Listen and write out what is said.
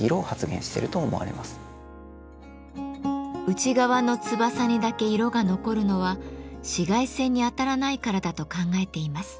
内側の翼にだけ色が残るのは紫外線に当たらないからだと考えています。